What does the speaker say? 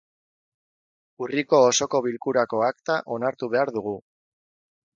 Urriko osoko bilkurako akta onartu behar dugu.